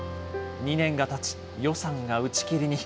２年がたち、予算が打ち切りに。